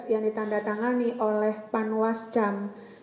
yang ditanda tangani oleh panwas cam